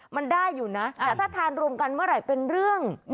มันได้อยู่นะแต่ถ้าทานรวมกันเมื่อไหร่เป็นเรื่อง